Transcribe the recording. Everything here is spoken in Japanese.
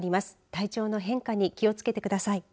体調の変化に気をつけてください。